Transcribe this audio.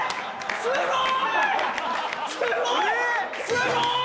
すごい！